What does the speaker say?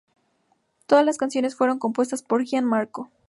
Todas las canciones fueron compuestas por Gian Marco.